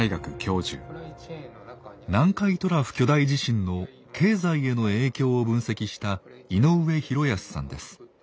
南海トラフ巨大地震の経済への影響を分析した井上寛康さんです。